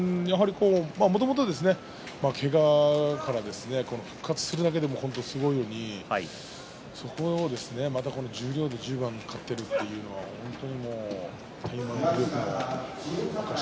もともとけがから復活するだけでも本当にすごいのにそこをまた十両で１０番勝っているというのは本当に。